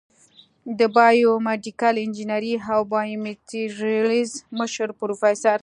د بایو میډیکل انجینرۍ او بایومیټریلز مشر پروفیسر